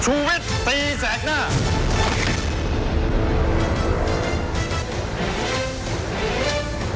ชูวิทย์ตีแสกหน้า